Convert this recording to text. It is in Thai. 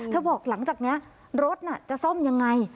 บอกหลังจากนี้รถจะซ่อมยังไง